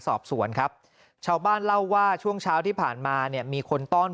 สอบสวนครับชาวบ้านเล่าว่าช่วงเช้าที่ผ่านมาเนี่ยมีคนต้อน